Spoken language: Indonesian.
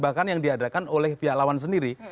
bahkan yang diadakan oleh pihak lawan sendiri